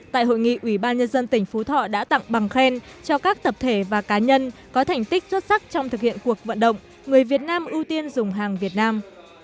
tại hội nghị ủy ban nhân dân tỉnh phú thọ đã tặng bằng khen cho các tập thể và cá nhân có thành tích xuất sắc trong thực hiện cuộc vận động người việt nam ưu tiên dùng hàng việt nam